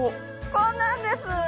こんなんです。